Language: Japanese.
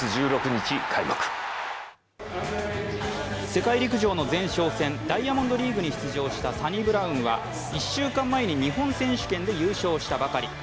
世界陸上の前哨戦、ダイヤモンドリーグに出場したサニブラウンは１週間前に日本選手権で優勝したばかり。